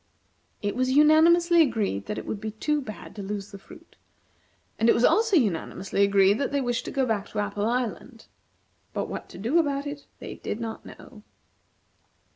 It was unanimously agreed that it would be too bad to lose the fruit, and it was also unanimously agreed that they wished to go back to Apple Island. But what to do about it, they did not know.